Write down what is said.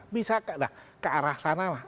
bisa dah ke arah sana lah